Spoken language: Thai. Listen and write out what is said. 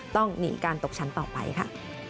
ต้องหนีการตกชั้นต่อไปค่ะ